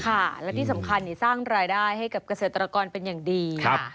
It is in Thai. และที่สำคัญสร้างรายได้ให้กับเกษตรกรเป็นอย่างดี